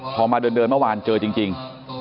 พอมาเดินเมื่อวานเจอจริง